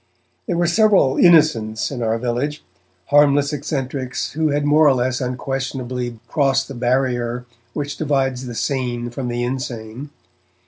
There were several 'innocents' in our village harmless eccentrics who had more or less unquestionably crossed the barrier which divides the sane from the insane.